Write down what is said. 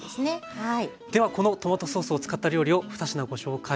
はい。